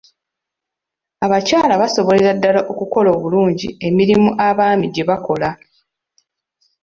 Abakyala basobolera ddala okukola obulungi emirimu abaami gye bakola.